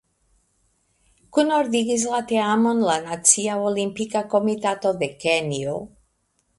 Kunordigis la teamon la "Nacia Olimpika Komitato de Kenjo".